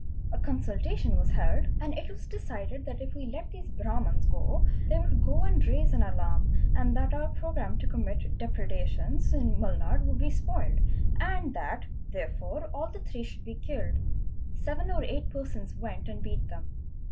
A consultation was held, and it was decided that if we let these Brahmans go, they would go and raise © an alarm, and that our programme to commit depredations in Mulnad — would be spoiled, and that, therefore, all. the three should be killed. Seven or eight persons went and beat them.